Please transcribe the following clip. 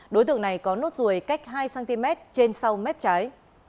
đối tượng này có nốt ruồi cách hai cm trên sau mép trái